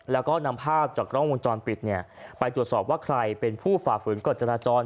แล้วก็นำภาพจากกล้องวงจรปิดไปตรวจสอบว่าใครเป็นผู้ฝ่าฝืนกฎจราจร